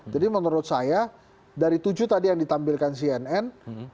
menurut saya dari tujuh tadi yang ditampilkan cnn